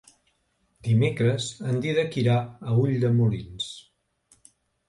Dimecres en Dídac irà a Ulldemolins.